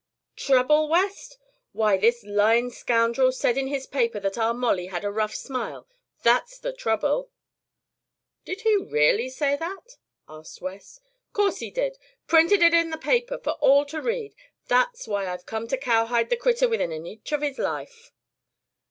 Trouble, West? Why, this lyin' scroundrel said in his paper thet our Molly had a rough smile. That's the trouble!" "Did he really say that?" asked West. "'Course he did. Printed it in the paper, for all to read. That's why I've come to cowhide the critter within an inch o' his life!"